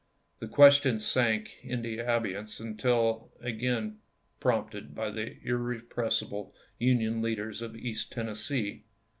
The question sank into abeyance until again prompted by the irre pressible Union leaders of East Tennessee.